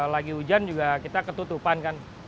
lagi hujan juga kita ketutupan kan